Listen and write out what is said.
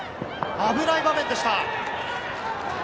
危ない場面でした。